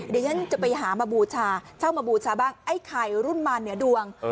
เดี๋ยวฉันจะไปหามาบูชาเช่ามาบูชาบ้างไอ้ไข่รุ่นมารเหนือดวง